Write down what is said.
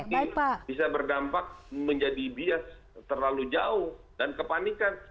ini bisa berdampak menjadi bias terlalu jauh dan kepanikan